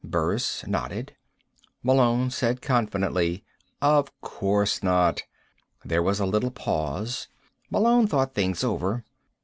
Burris nodded. Malone said confidently: "Of course not." There was a little pause. Malone thought things over.